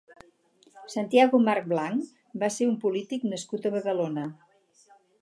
Santiago March Blanch va ser un polític nascut a Badalona.